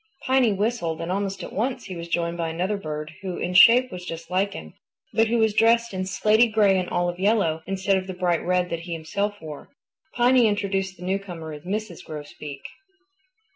Piny whistled, and almost at once he was joined by another bird who in shape was just like him, but who was dressed in slaty gray and olive yellow, instead of the bright red that he himself wore. Piny introduced the newcomer as Mrs. Grosbeak.